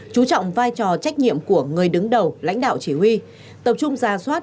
chú trọng vai trò trách nhiệm của người đứng đầu lãnh đạo chỉ huy tập trung ra soát